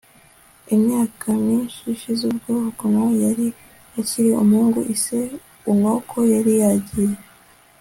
imyaka myinshi ishize ubwo okonkwo yari akiri umuhungu, ise, unoka, yari yagiye